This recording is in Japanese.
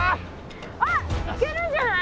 あっいけるんじゃない？